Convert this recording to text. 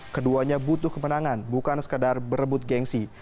keduanya butuh kemenangan bukan sekedar berebut gengsi